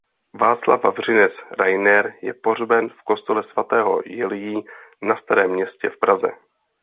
Václav Vavřinec Reiner je pohřben v kostele svatého Jiljí na Starém městě v Praze.